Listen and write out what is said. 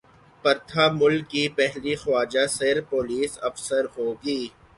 پرتھا ملک کی پہلی خواجہ سرا پولیس افسر ہو گی